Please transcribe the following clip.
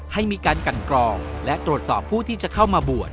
ให้มีการกันกรองและตรวจสอบผู้ที่จะเข้ามาบวช